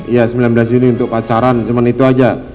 ya sembilan belas juni untuk pacaran cuma itu aja